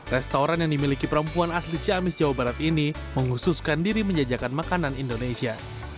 restoran yang dimiliki perempuan asli ciamis jawa barat ini menghususkan diri menjajakan makanan indonesia